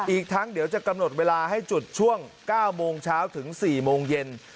อีกทั้งเดี๋ยวจะกำหนดเวลาให้จุดช่วง๙โมงเช้าถึง๔โมงเย็น